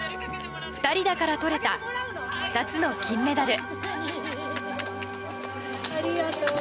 ２人だからとれた２つの金メダル。